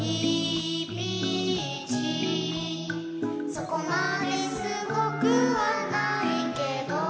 「そこまですごくはないけど」